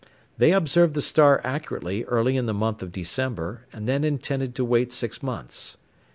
They observed the star accurately early in the month of December, and then intended to wait six months.